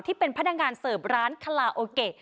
ที่เป็นพนักงานเสิร์ฟร้านคาลาโอเกะ